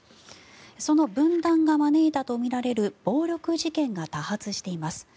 その分断が招いたとみられる暴力事件が多発しています。